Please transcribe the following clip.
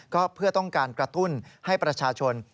ก็เพื่อต้องการกระตุ้นให้ประชาชน